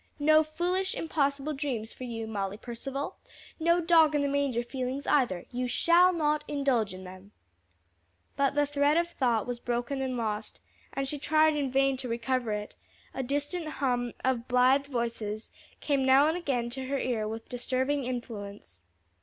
No foolish impossible dreams for you, Molly Percival! no dog in the manger feelings either; you shall not indulge them." But the thread of thought was broken and lost, and she tried in vain to recover it; a distant hum of blithe voices came now and again to her ear with disturbing influence.